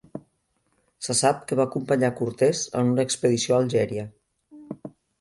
Se sap que va acompanyar Cortés en una expedició a Algèria.